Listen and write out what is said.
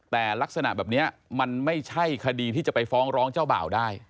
แต่ลักษณะแบบนี้มันไม่ใช่คดีที่จะไปฟ้องร้องเจ้าบ่าวได้